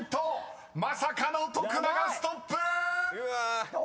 ［まさかの徳永ストップ！］